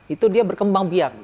itu dia berkembang biak